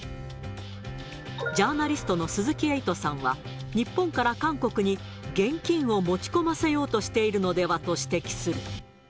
ジャーナリストの鈴木エイトさんは、日本から韓国に現金を持ち込ませようとしているのではと指摘する。